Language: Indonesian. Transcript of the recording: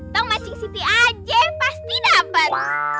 tong mancing city aja pasti dapet